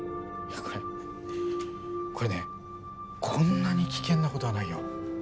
これこれねこんなに危険な事はないよ。